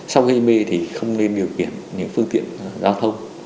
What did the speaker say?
sau gây mê thì không nên điều kiện những phương tiện giao thông